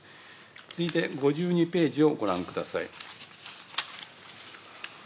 次いで５２ページをご覧ください。